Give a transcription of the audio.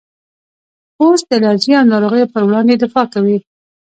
پوست د الرجي او ناروغیو پر وړاندې دفاع کوي.